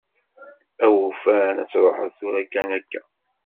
Awufan ad tṛuḥeḍ tura kan akka.